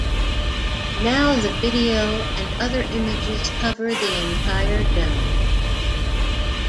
Now the video and other images cover the entire dome.